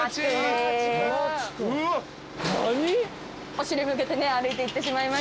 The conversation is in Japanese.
お尻向けてね歩いていってしまいましたね。